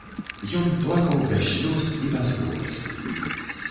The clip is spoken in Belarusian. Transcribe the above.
Ён плакаў без слёз і без голасу.